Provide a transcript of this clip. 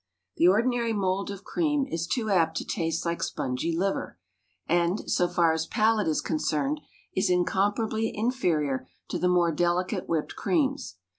The ordinary mould of cream is too apt to taste like spongy liver, and, so far as palate is concerned, is incomparably inferior to the more delicate whipped creams.